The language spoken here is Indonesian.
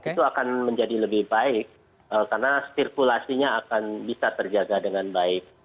itu akan menjadi lebih baik karena stirkulasinya akan bisa terjaga dengan baik